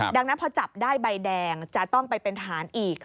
ดังนั้นพอจับได้ใบแดงจะต้องไปเป็นทหารอีก